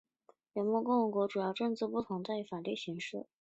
联邦共和国和联邦君主制的主要政治不同在于法律形式。